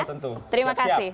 tentu terima kasih